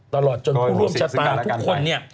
ตลอดจนผู้รูปชะตาทุกคน